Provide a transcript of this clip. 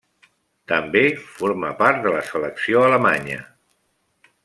També forma part de la selecció alemanya.